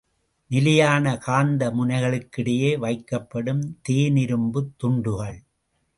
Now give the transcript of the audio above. நிலையான காந்த முனைகளுக்கிடையே வைக்கப்படும் தேனிரும்புத் துண்டுகள்.